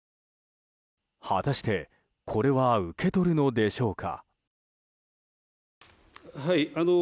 果たしてこれは受け取るのでしょうか。